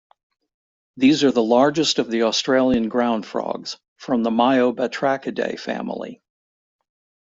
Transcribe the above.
They are the largest of the Australian ground frogs, from the Myobatrachidae family.